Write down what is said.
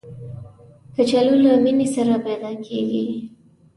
کچالو له مینې سره پیدا کېږي